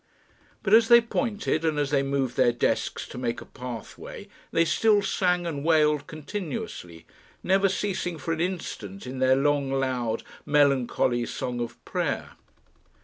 But as they pointed, and as they moved their desks to make a pathway, they still sang and wailed continuously, never ceasing for an instant in their long, loud, melancholy song of prayer.